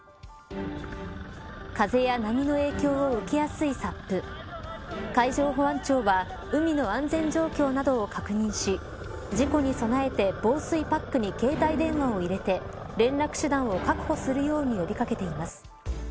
風や波の影響を受けやすいＳＵＰ海上保安庁は海の安全状況などを確認し事故に備えて防水パックに携帯電話を入れて連絡手段を確保するように呼び掛けています。